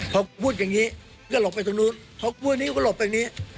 พอพูดอย่างนี้ก็หลบไปตรงนู้นพอพูดนี้ก็หลบไปอย่างนี้